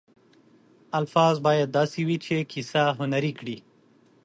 الفاظ باید داسې وي چې کیسه هنري کړي.